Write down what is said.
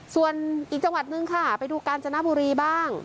ส่วนอีกจังหวัดนึงค่ะไปดูกาญจนบุรีบ้าง